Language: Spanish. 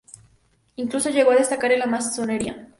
Incluso llegó a destacar en la masonería.